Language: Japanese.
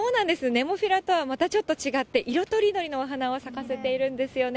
ネモフィラとはまたちょっと違って、色とりどりのお花を咲かせているんですよね。